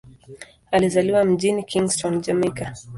Alizaliwa mjini Kingston, Jamaika.